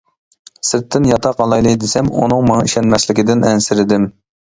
سىرتتىن ياتاق ئالايلى دېسەم، ئۇنىڭ ماڭا ئىشەنمەسلىكىدىن ئەنسىرىدىم.